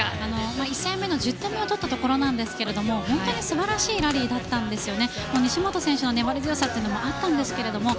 １ゲーム目の１０点目を取ったところなんですが本当に素晴らしいラリーだったんですよね。